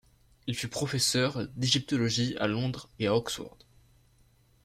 Il fut professeur d'égyptologie à Londres et à Oxford.